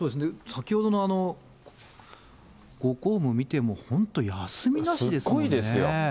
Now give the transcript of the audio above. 先ほどのご公務見ても、本当、すごいですよ。